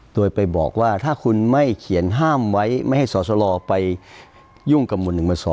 โดยไปบอกว่าถ้าคุณไม่เขียนห้ามไว้ไม่ให้สอสลไปยุ่งกับหมวด๑มา๒